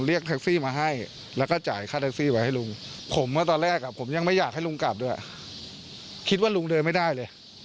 เรียกแท็กซี่มาให้แล้วก็จ่ายค่าแท็กซี่ไว้ให้ลุงผมเมื่อตอนแรกผมยังไม่อยากให้ลุงกลับด้วยคิดว่าลุงเดินไม่ได้เลย